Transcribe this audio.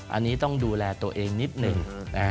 อันนี้ต้องดูแลตัวเองนิดหนึ่ง